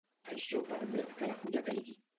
Això permet que la fulla caigui.